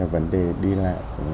vấn đề đi lại